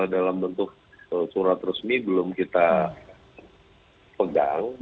dalam bentuk surat resmi belum kita pegang